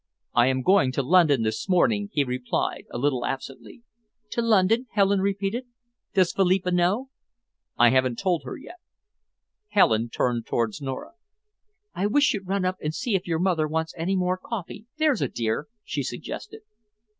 "I am going to London this morning," he replied, a little absently. "To London?" Helen repeated. "Does Philippa know?" "I haven't told her yet." Helen turned towards Nora. "I wish you'd run up and see if your mother wants any more coffee, there's a dear," she suggested.